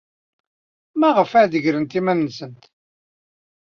Maɣef ay d-tegremt iman-nsent?